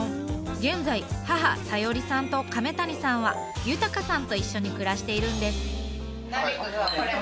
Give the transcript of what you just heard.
現在母小夜里さんと亀谷さんは豊さんと一緒に暮らしているんです。